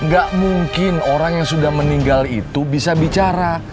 gak mungkin orang yang sudah meninggal itu bisa bicara